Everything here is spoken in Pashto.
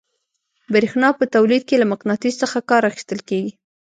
برېښنا په تولید کې له مقناطیس څخه کار اخیستل کیږي.